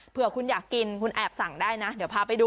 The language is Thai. เพื่อคุณอยากกินคุณแอบสั่งได้นะเดี๋ยวพาไปดู